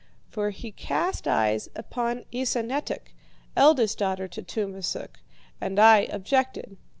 For he cast eyes upon Esanetuk, eldest daughter to Tummasook, and I objected.